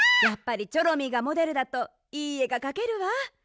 やっぱりチョロミーがモデルだといいえがかけるわ。